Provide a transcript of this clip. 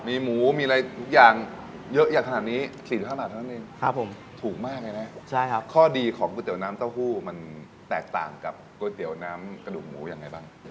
มีหมูมีอะไรทุกอย่าง